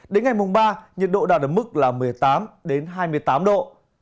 đến ngày mùng ba nhiệt độ đạt ở mức là một mươi tám hai mươi tám độ